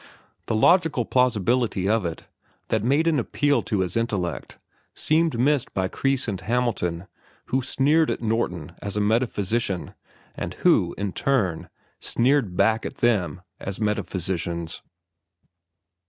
The logical plausibility of it, that made an appeal to his intellect, seemed missed by Kreis and Hamilton, who sneered at Norton as a metaphysician, and who, in turn, sneered back at them as metaphysicians.